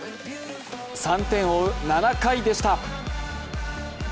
３点を追う７回でした。